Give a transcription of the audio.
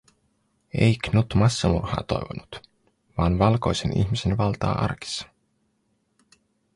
Ei Knut massamurhaa toivonut, vaan valkoisen ihmisen valtaa arkissa.